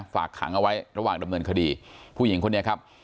ฝากขังเอาไว้ระหว่างดำเนินคดีผู้หญิงคนนี้ครับ